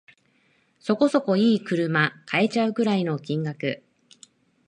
そこそこ良い車買えちゃうくらいの金額